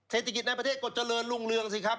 เศรษฐกิจในประเทศก็เจริญรุ่งเรืองสิครับ